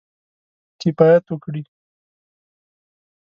کفایت وکړي.